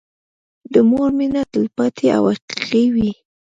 د مور مينه تلپاتې او حقيقي وي.